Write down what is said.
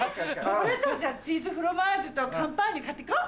これとチーズフロマージュとカンパーニュ買っていこう？